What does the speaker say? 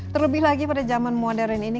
terlebih lagi pada zaman modern ini